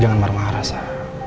jangan marah marah sah